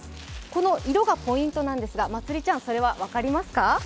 この色がポイントなんですが、まつりちゃん、それは分かりますか？